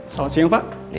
salah siang pak